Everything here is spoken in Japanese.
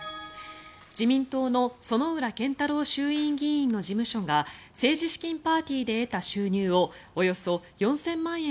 自民党の薗浦健太郎衆院議員の事務所が政治資金パーティーで得た収入をおよそ４０００万円